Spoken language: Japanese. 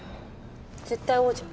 絶対王者？